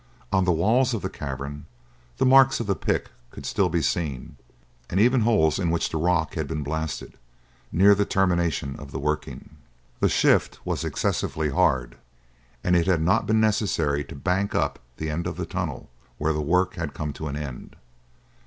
On the walls of the cavern the marks of the pick could still be seen, and even holes in which the rock had been blasted, near the termination of the working. The schist was excessively hard, and it had not been necessary to bank up the end of the tunnel where the works had come to an end.